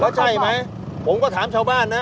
ใช่ไหมผมก็ถามชาวบ้านนะ